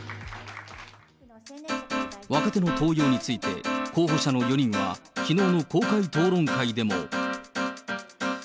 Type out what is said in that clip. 若手の登用について候補者の４人は、きのうの公開討論会でも。